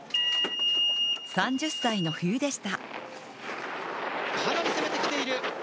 ３０歳の冬でした。